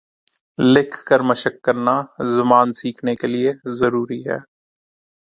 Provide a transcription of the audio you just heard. لکھ کر مشق کرنا زبان سیکهنے کے لیے ضروری ہے